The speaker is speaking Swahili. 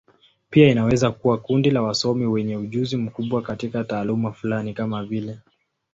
Pia inaweza kuwa kundi la wasomi wenye ujuzi mkubwa katika taaluma fulani, kama vile.